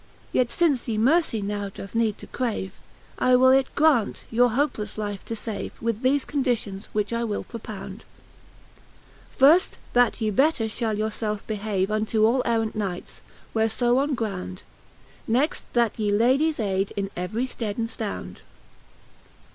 Yet fince ye mercie now doe need to crave, I will it graunt, your hopelefle life to fave, With thefe conditions, which I will propound: Firft, that ye better fhall yourfelfe behave Unto all errant knights, wherefo on ground ,* Next that ye Ladies ayde in every ftead and ftound.